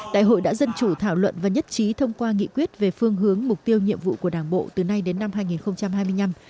đại hội đã dân chủ thảo luận và nhất trí thông qua nghị quyết về phương hướng mục tiêu nhiệm vụ của đảng bộ từ nay đến năm hai nghìn hai mươi năm